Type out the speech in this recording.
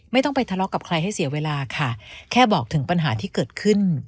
ไม่ต้องไปทะเลาะกับใครให้เสียเวลาค่ะแค่บอกถึงปัญหาที่เกิดขึ้น